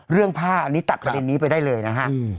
เรื่องภาพตัดประเด็นนี้ไปได้เลยนะครับ